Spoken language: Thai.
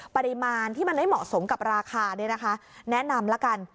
ปริมาณที่มันไม่เหมาะสมกับราคาแนะนำละกัน